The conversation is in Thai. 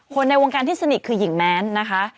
ในวงการที่สนิทคือหญิงแม้นนะคะ